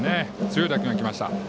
強い打球が行きました。